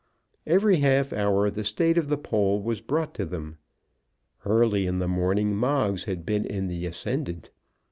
Every half hour the state of the poll was brought to them. Early in the morning Moggs had been in the ascendant.